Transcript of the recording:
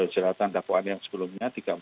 jelatan dapurannya sebelumnya tiga ratus empat puluh